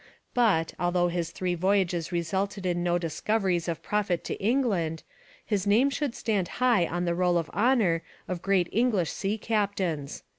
But, although his three voyages resulted in no discoveries of profit to England, his name should stand high on the roll of honour of great English sea captains.